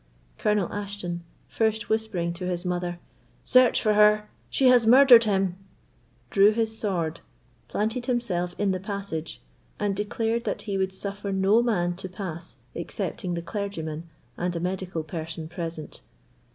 Colonel Ashton, first whispering to his mother, "Search for her; she has murdered him!" drew his sword, planted himself in the passage, and declared he would suffer no man to pass excepting the clergyman and a medical person present.